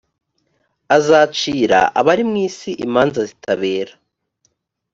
azacira abari mu isi imanza zitabera